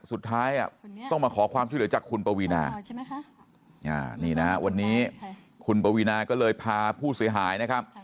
สุดท้ายต้องมาขอความช่วยเหลือจากคุณปวีนาใช่ไหมคะนี่นะฮะวันนี้คุณปวีนาก็เลยพาผู้เสียหายนะครับ